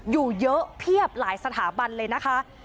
อยู่เยอะเพียบหลายสถาบันเลยนะคะ